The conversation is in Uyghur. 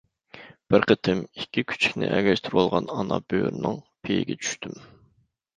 بىر قېتىم ئىككى كۈچۈكنى ئەگەشتۈرۈۋالغان ئانا بۆرىنىڭ پېيىگە چۈشتۈم.